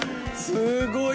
すごい。